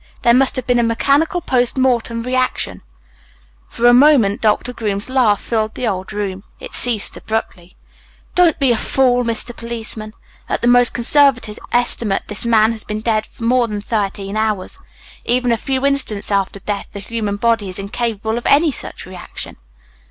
There must have been a mechanical post mortem reaction." For a moment Doctor Groom's laugh filled the old room. It ceased abruptly. He shook his head. "Don't be a fool, Mr. Policeman. At the most conservative estimate this man has been dead more than thirteen hours. Even a few instants after death the human body is incapable of any such reaction."